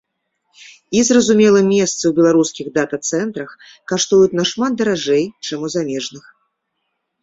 І, зразумела, месцы ў беларускіх дата-цэнтрах каштуюць нашмат даражэй, чым у замежных.